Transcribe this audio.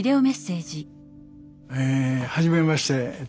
えはじめまして。